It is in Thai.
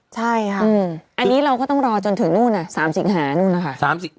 ใช่ค่ะอันนี้เราก็ต้องรอจนถึงนู่น๓สิงหานู่นนะคะ